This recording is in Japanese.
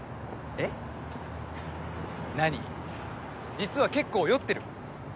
実は結構酔ってる？